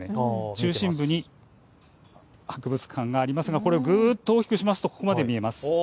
中心部に博物館がありますがこれをぐっと大きくするとここまで見えます。